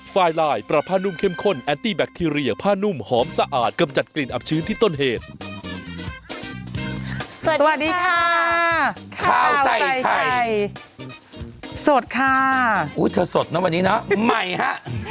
สวัสดีค่ะข้าวใส่ไข่สดค่ะอุ้ยเธอสดนะวันนี้นะใหม่ฮะ